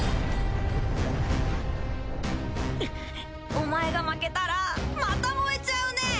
お前が負けたらまた燃えちゃうね？